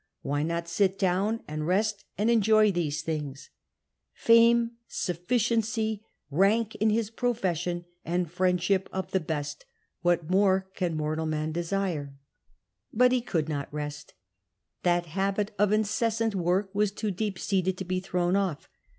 Why not sit down and rest and enjoy these things? Fame, suffici ency, rank in liis profession, and friendship of the best — what more can mortal man desire ? IZ RESTLESSNESS III But he could not rest That habit of incessant work was too deep seated to be thrown off.